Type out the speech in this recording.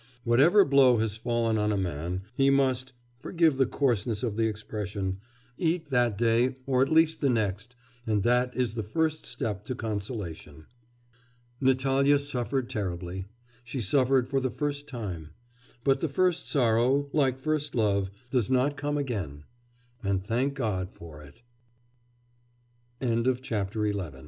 Whatever blow has fallen on a man, he must forgive the coarseness of the expression eat that day or at least the next, and that is the first step to consolation. Natalya suffered terribly, she suffered for the first time.... But the first sorrow, like first love, does not come again and thank God for it! XII Abo